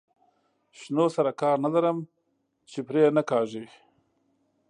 شنو سره کار نه لري چې پرې یې نه کاږي.